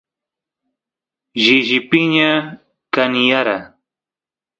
shishi piña kaniyara